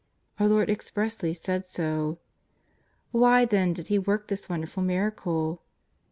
Our Lord expressly said so. Why then did He work this wonderful miracle?